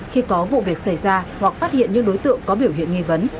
khi có vụ việc xảy ra hoặc phát hiện những đối tượng có biểu hiện nghi vấn